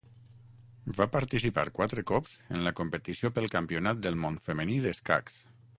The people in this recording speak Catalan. Va participar quatre cops en la competició pel Campionat del món femení d'escacs.